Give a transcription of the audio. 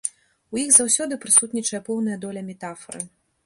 У іх заўсёды прысутнічае пэўная доля метафары.